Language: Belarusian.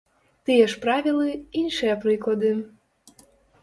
Тыя ж правілы, іншыя прыклады.